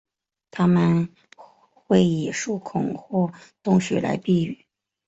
它们会以树孔或洞穴来避雨。